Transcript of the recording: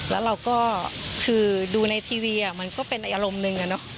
แล้วเราก็คือดูในทีวีมันก็เป็นอารมณ์หนึ่ง